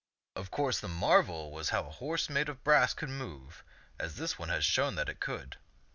Of course the marvel was how a horse made of brass could move as this one had shown that it could.